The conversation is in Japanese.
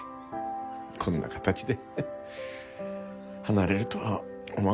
こんな形で離れるとは思わんかった。